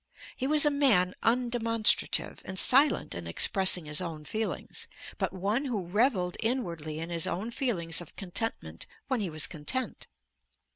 He was a man undemonstrative, and silent in expressing his own feelings, but one who revelled inwardly in his own feelings of contentment when he was content.